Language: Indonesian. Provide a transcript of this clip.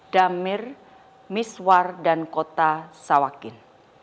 damir miswar dan kota sawakin